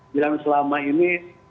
bilang selama ini